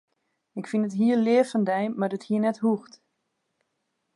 Ik fyn it hiel leaf fan dy, mar it hie net hoegd.